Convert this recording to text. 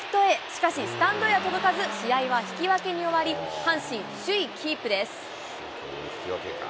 しかし、スタンドへは届かず、試合は引き分けに終わり、阪神、首位キープです。